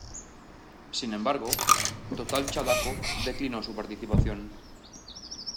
Sin embargo, Total Chalaco declinó su participación.